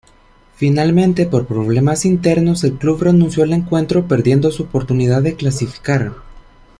Finalmente por problemas internos, el club renunció al encuentro, perdiendo su oportunidad de clasificar.